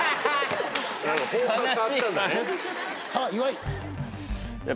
さあ岩井。